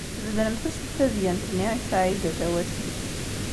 Tbedremt-as-d tadyant-nni i Saɛida Tawasift.